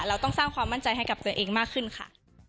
เราต้องสร้างความมั่นใจให้กับตัวเองมากขึ้นค่ะ